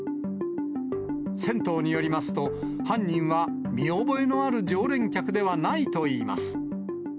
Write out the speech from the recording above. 銭湯によりますと、犯人は見覚えのある常連客ではないといいます。